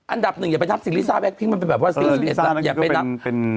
อันดับหนึ่งอย่าไปนับศิลิซ่าแบบนี้มันเป็นแบบว่าศิลิซ่านั้นก็เป็น